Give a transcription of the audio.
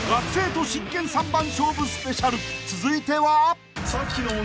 ［続いては］